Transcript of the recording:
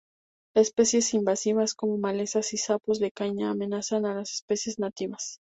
Especies invasivas como malezas y sapos de caña amenazan a las especies nativas.